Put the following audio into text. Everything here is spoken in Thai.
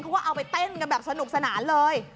เขาก็เอาไปเต้นกันแบบสนุกสนานเลย